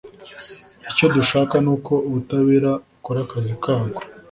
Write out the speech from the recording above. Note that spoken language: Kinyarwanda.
icyo dushaka ni uko ubutabera bukora akazi kabwo